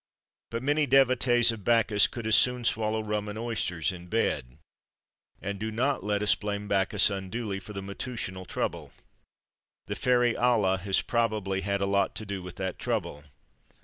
But many devotees of Bacchus could as soon swallow rum and oysters, in bed. And do not let us blame Bacchus unduly for the matutinal trouble. The fairy Ala has probably had a lot to do with that trouble.